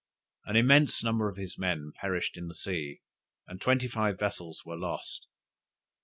An immense number of his men perished in the sea, and twenty five vessels were lost.